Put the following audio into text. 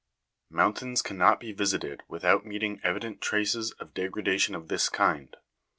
Mountains cannot be visited without meeting' evident traces of degrada tion of this kind.